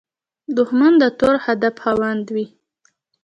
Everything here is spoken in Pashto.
دښمن د تور هدف خاوند وي